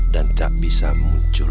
dan tak bisa muncul